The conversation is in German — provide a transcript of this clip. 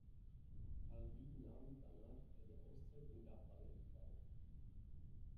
Parvin nahm danach eine Auszeit und gab alle Ämter auf.